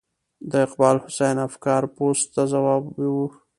د اقبال حسین افګار پوسټ ته ځواب و.